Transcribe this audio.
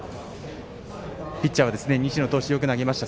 ピッチャーは、西野投手よく投げました。